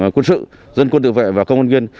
quân sự dân quân tự vệ và công an viên